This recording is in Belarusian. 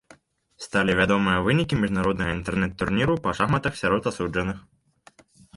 Сталі вядомыя вынікі міжнароднага інтэрнэт-турніру па шахматах сярод асуджаных.